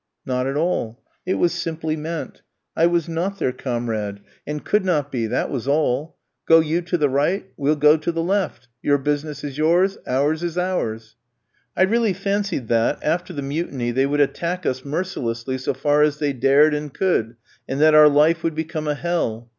Not at all, it was simply meant. I was not their comrade, and could not be; that was all. Go you to the right, we'll go to the left! your business is yours, ours is ours. I really fancied that, after the mutiny, they would attack us mercilessly so far as they dared and could, and that our life would become a hell.